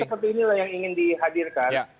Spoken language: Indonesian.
saya seperti inilah yang ingin dihadirkan